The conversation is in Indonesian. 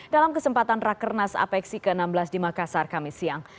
dalam kesempatan raker nas apeksi ke enam belas di makassar kamis siang